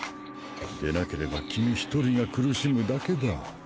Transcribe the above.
でなければ君ひとりが苦しむだけだ。